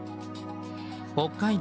北海道